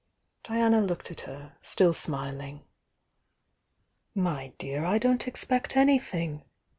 Diana looked at her, still smiling. "My dear, I don't expect anything!